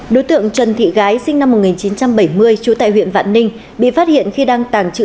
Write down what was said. đối tượng trần thị gái sinh năm một nghìn chín trăm bảy mươi trú tại huyện vạn ninh bị phát hiện khi đang tàng trữ